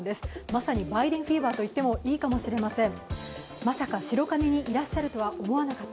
まさにバイデンフィーバーといってもいいかもしれません。